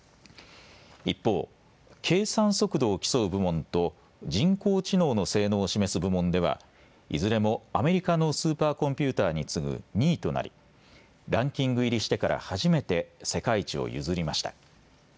一方、計算速度を競う部門と人工知能の性能を示す部門ではいずれもアメリカのスーパーコンピューターに次ぐ２位となりランキング入りしてから初めて世界一を譲りました。